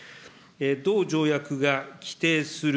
同条約が規定する。